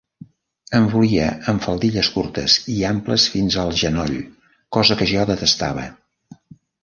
Em volia amb faldilles curtes i amples fins al genoll, cosa que jo detestava.